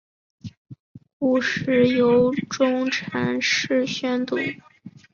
古时由中臣式宣读。